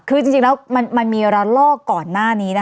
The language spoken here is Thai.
คือจริงแล้วมันมีระลอกก่อนหน้านี้นะคะ